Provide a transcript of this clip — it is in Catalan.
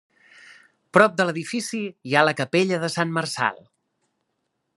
Prop de l'edifici hi ha la capella de Sant Marçal.